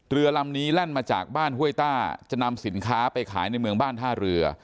เรือลำนี้แล่นมาจากบ้านห้วยต้าจะนำสินค้าไปขายในเมืองบ้านท่าเรือ